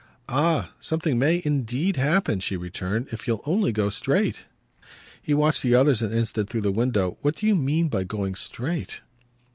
"Ah something MAY indeed happen," she returned, "if you'll only go straight!" He watched the others an instant through the window. "What do you mean by going straight?"